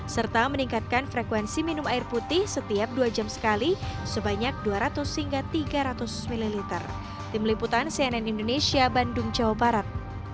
serta meningkatkan frekuensi minum air putih setiap dua jam sekali sebanyak dua ratus hingga tiga ratus ml